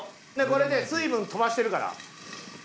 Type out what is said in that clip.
これで水分飛ばしてるから。